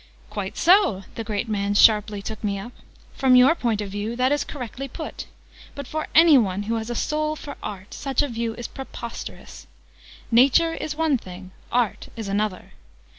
"Quite so!" the great man sharply took me up. "From your point of view, that is correctly put. But for anyone who has a soul for Art, such a view is preposterous. Nature is one thing. Art is another.